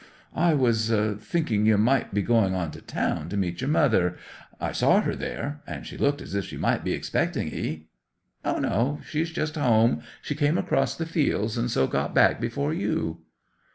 I was thinking you might be going on to town to meet your mother. I saw her there—and she looked as if she might be expecting 'ee." '"O no; she's just home. She came across the fields, and so got back before you."